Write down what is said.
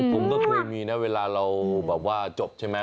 ผมก็เคยมีนะเวลาเราแบบว่าจบใช่ไหม